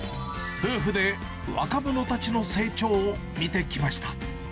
夫婦で若者たちの成長を見てきました。